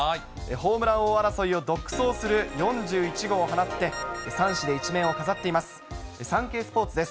ホームラン王争いを独走する４１号を放って、３紙で１面を飾っています。